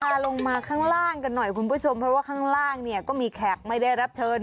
ลงมาข้างล่างกันหน่อยคุณผู้ชมเพราะว่าข้างล่างเนี่ยก็มีแขกไม่ได้รับเชิญ